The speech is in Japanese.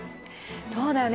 そうだよね。